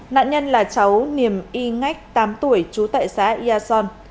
nạn nhân là cháu niềm y ngách tám tuổi trú tại xã ia son